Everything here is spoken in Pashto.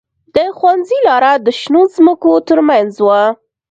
د ښوونځي لاره د شنو ځمکو ترمنځ وه